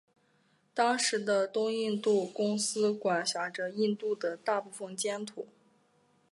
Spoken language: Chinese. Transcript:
当时的东印度公司管辖着印度的大部分疆土。